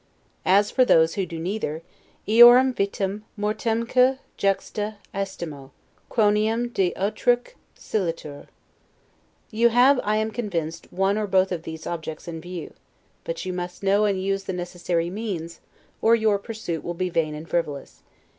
As for those who do neither, 'eorum vitam mortemque juxta aestumo; quoniam de utraque siletur'. You have, I am convinced, one or both of these objects in view; but you must know and use the necessary means, or your pursuit will be vain and frivolous.